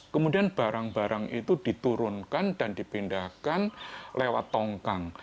kemudian barang barang itu diturunkan dan dipindahkan lewat tongkang